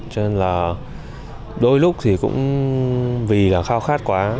cho nên là đôi lúc thì cũng vì là khao khát quá